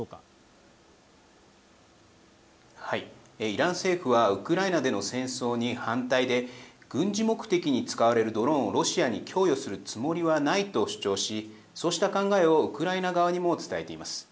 イラン政府はウクライナでの戦争に反対で軍事目的に使われるドローンをロシアに供与するつもりはないと主張しそうした考えをウクライナ側にも伝えています。